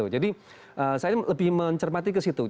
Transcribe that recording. jadi saya lebih mencermati ke situ